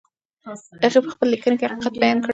هغې په خپله لیکنه کې حقیقت بیان کړ.